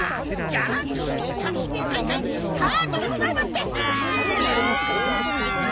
「ギャラクシーかくし芸大会」スタートでございますです！キャ！